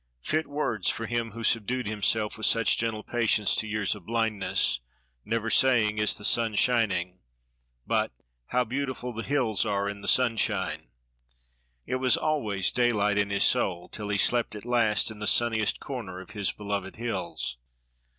Fit words for him who subdued himself with such gentle patience to years of blindness; never saying 'Is the sun shining?' but 'How beautiful the hills are in the sunshine!' It was always daylight in his soul, till he slept at last in the sunniest corner of his beloved hills.